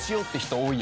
多い。